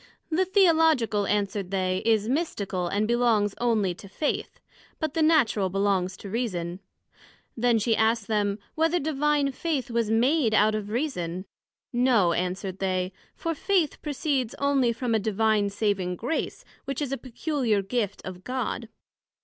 The Theological, answered they, is mystical, and belongs onely to Faith; but the Natural belongs to Reason. Then she asked them, Whether Divine Faith was made out of Reason? No answered they, for Faith proceeds onely from a Divine saving Grace, which is a peculiar Gift of God.